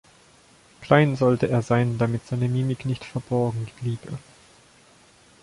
Klein sollte er sein, damit seine Mimik nicht verborgen bliebe.